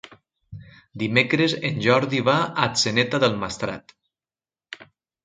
Dimecres en Jordi va a Atzeneta del Maestrat.